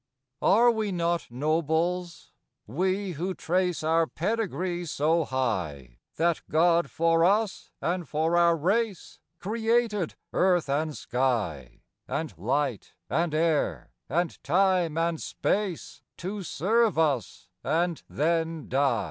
A RE we not Nobles ? we who trace ^ Our pedigree so high That God for us and for our race Created Earth and Sky, And Light and Air and Time and Space, To serve us and then die.